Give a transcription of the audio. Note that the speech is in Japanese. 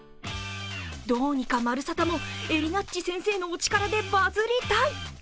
どうにか「まるサタ」もえりなっち先生のお力でバズりたい。